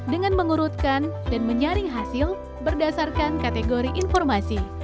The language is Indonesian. dengan mengurutkan dan menyaring hasil berdasarkan kategori informasi